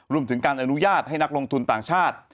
รวมถึงการอนุญาตให้นักลงทุนต่างชาติ